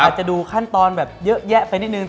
อาจจะดูขั้นตอนแบบเยอะแยะไปนิดนึง